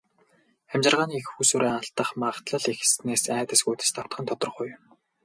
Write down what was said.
Амьжиргааны эх үүсвэрээ алдах магадлал ихэссэнээс айдас хүйдэст автах нь тодорхой юм.